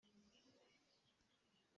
Vate rap kan chiah.